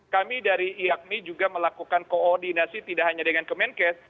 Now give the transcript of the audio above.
kami dari iakmi juga melakukan koordinasi tidak hanya dengan kemenkes